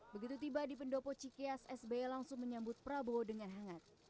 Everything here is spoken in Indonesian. begitu tiba di pendopo cikeas sby langsung menyambut prabowo dengan hangat